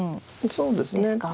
そうですね。